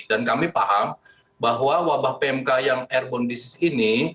dan kami paham bahwa wabah pmk yang airborne disease ini